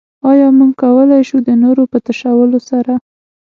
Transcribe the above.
ايا موږ کولای شو د نورو په تشولو سره.